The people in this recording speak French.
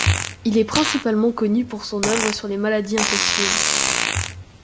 Il est principalement connu pour son œuvre sur les maladies infectieuses.